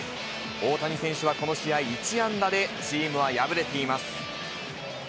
大谷選手はこの試合１安打で、チームは敗れています。